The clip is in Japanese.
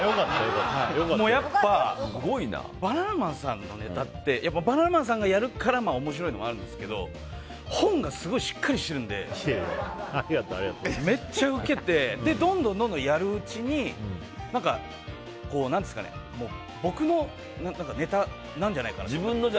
やっぱバナナマンさんのネタってバナナマンさんがやるから面白いのもあるんですけど本がしっかりしているのでめっちゃウケてどんどんやるうちにもう僕のネタなんじゃないのかなって。